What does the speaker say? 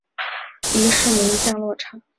伊是名降落场。